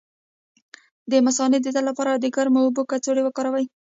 د مثانې د درد لپاره د ګرمو اوبو کڅوړه وکاروئ